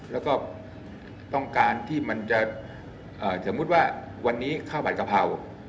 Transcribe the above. แล้วก็ต้องการที่มันจะสมมุติว่าวันนี้ข้าวผัดกะเพรา